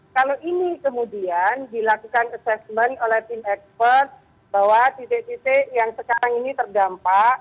kalau ini kemudian dilakukan assessment oleh tim expert bahwa titik titik yang sekarang ini terdampak